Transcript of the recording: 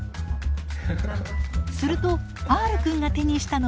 するとＲくんが手にしたのはゲーム。